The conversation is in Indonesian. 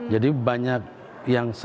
jadi banyak yang saya